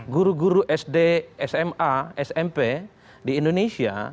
guru guru sd sma smp di indonesia